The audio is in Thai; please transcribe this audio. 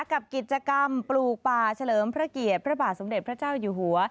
กับกิจกรรมปลูกป่าเฉลิมพระเกียรติพระบาทสมเด็จพระเจ้าอยู่หัว